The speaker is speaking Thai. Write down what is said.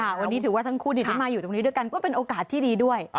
วันนี้ถือว่าทั้งคู่ที่มาอยู่ตรงนี้ด้วยกันก็เป็นโอกาสที่ดีด้วย